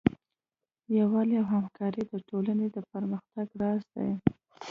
یووالی او همکاري د ټولنې د پرمختګ راز دی.